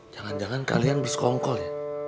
jangan jangan kalian bersekongkol ya